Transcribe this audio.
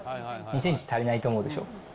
２センチ足りないと思うでしょ。